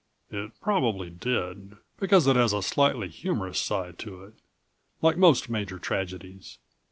It probably did, because it has a slightly humorous side to it, like most major tragedies.